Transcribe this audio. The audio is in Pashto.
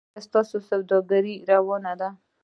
ایا ستاسو سوداګري روانه ده؟